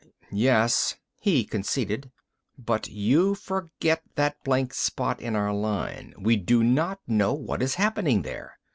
"Yes," he conceded. "But you forget that blank spot in our line. We do not know what is happening there."